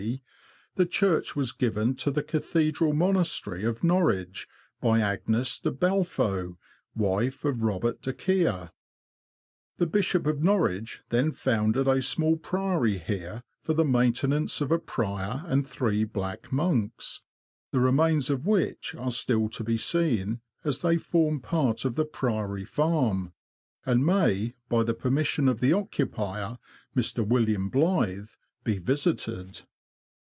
D.), the church was given to the Cathedral Monastery of Norwich, by Agnes de Belfo, wife of Robert de Kia. The Bishop of Norwich then founded a small priory here for the maintenance of a prior and three black monks, the remains of which are still to be seen, as they form part of the Priory Farm, and may, by the permission of the occupier, Mr. William Blyth, be visited.